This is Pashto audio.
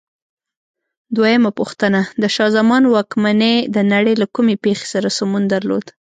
دویمه پوښتنه: د شاه زمان واکمنۍ د نړۍ له کومې پېښې سره سمون درلود؟